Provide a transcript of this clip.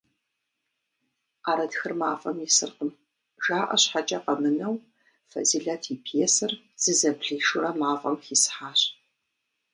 «ӏэрытхыр мафӏэм искъырым», жаӏэ щхьэкӏэ къэмынэу, Фэзилэт и пьесэр зызэблишурэ мафӏэм хисхьащ.